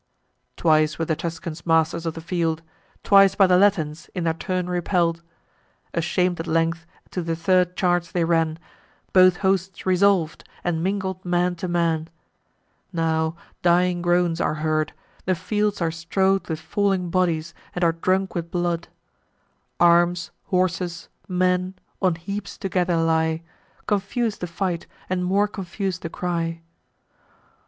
Twice were the Tuscans masters of the field, Twice by the Latins, in their turn, repell'd. Asham'd at length, to the third charge they ran; Both hosts resolv'd, and mingled man to man. Now dying groans are heard; the fields are strow'd With falling bodies, and are drunk with blood. Arms, horses, men, on heaps together lie: Confus'd the fight, and more confus'd the cry.